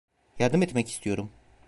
Yardım etmek istiyorum.